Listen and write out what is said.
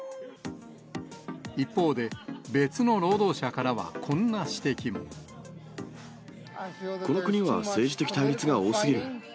一方で、別の労働者からは、この国は政治的対立が多すぎる。